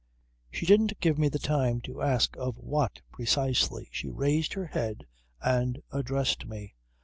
She didn't give me the time to ask of what precisely. She raised her head and addressed me.